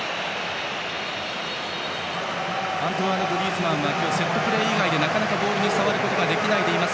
グリーズマンは今日、セットプレー以外でなかなかボールに触ることができないでいます。